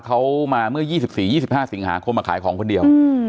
เขามาเมื่อ๒๔๒๕สิงหาคมมาขายของคนเดียว